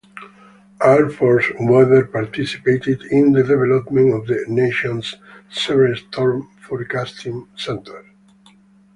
Air Force Weather participated in the development of the nation's severe storm forecasting centers.